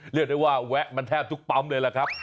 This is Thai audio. เรียกได้ว่าแวะมันแทบทุกปั๊มเลย